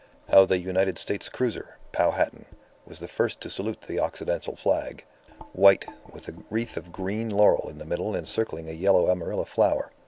How the United States cruiser, Powhattan, was the first to salute the Occidental flag white, with a wreath of green laurel in the middle encircling a yellow amarilla flower.